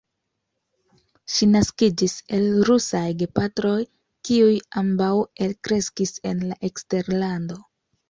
Ŝi naskiĝis el rusaj gepatroj, kiuj ambaŭ elkreskis en la eksterlando.